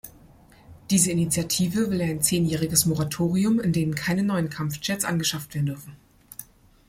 Diese Initiative will ein zehnjähriges Moratorium, in denen keine neuen Kampfjets angeschafft werden dürfen.